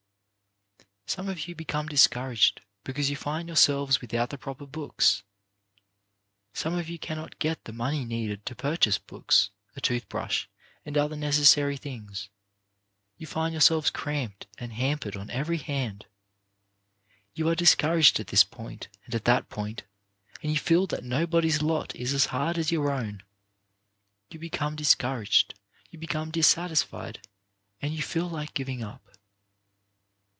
Some of you become discouraged because you find yourselves without the proper books. Some of you cannot get the money needed to purchase books, a tooth brush, and other necessary things. You find yourselves cramped and hampered on every hand. You are discouraged at this point and at that point, and you feel that nobody's lot is as hard as your own. You become discouraged, you become dissatisfied, and you feel like giving up.